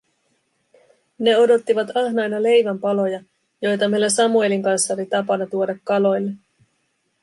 Ne odottivat ahnaina leivän paloja, joita meillä Samuelin kanssa oli tapana tuoda kaloille.